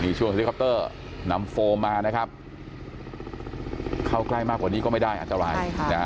ช่วงเฮลิคอปเตอร์นำโฟมมานะครับเข้าใกล้มากกว่านี้ก็ไม่ได้อันตราย